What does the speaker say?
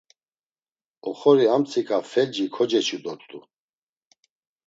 Oxori amtsika felci koceçu dort̆u.